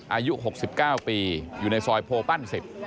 อายุ๖๙ปีอยู่ในซอยโพปั้น๑๐